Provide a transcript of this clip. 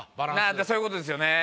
そういう事ですよね。